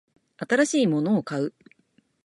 新しいものを買う